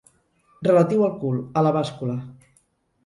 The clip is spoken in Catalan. Relatiu al cul, a la bàscula.